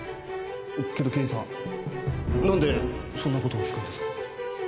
けど刑事さんなんでそんな事を聞くんですか？